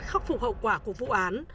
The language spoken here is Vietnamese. khắc phục hậu quả của vụ án